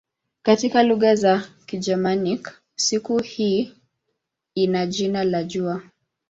Katika lugha za Kigermanik siku hii ina jina la "jua".